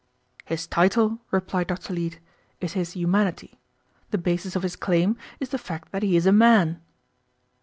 "His title," replied Dr. Leete, "is his humanity. The basis of his claim is the fact that he is a man."